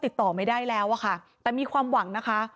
ติดต่อไม่ได้แล้วอะค่ะแต่มีความหวังนะคะ